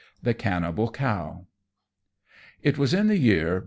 The Cannibal Cow. It was in the year